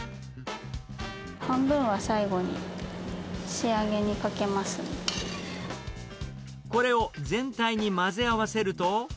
半分は最後に、これを全体に混ぜ合わせると。